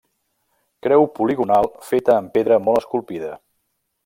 Creu poligonal feta amb pedra molt esculpida.